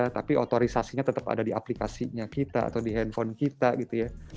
tapi otorisasinya tetap ada di aplikasinya kita atau di handphone kita gitu ya